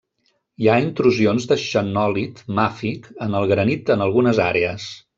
Hi ha intrusions de xenòlit màfic en el granit en algunes àrees.